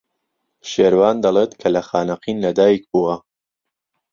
شێروان دەڵێت کە لە خانەقین لەدایک بووە.